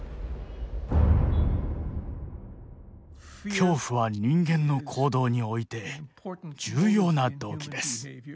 恐怖は人間の行動において重要な動機です。